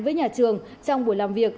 với nhà trường trong buổi làm việc